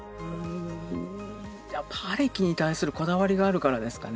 やっぱアレキに対するこだわりがあるからですかね。